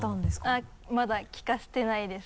あっまだ聴かせてないです。